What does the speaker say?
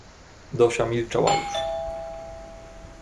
"Dosia milczała już."